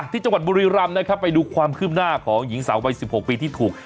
ที่จังหวัดบุริรัมย์ไปดูความขึ้นหน้าของหญิงสาวราย๑๖ปีที่ถูก